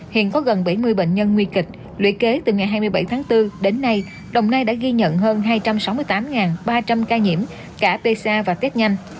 nhưng có gần bảy mươi bệnh nhân nguy kịch luyện kế từ ngày hai mươi bảy tháng bốn đến nay đồng nai đã ghi nhận hơn hai trăm sáu mươi tám ba trăm linh ca nhiễm cả pcr và test nhanh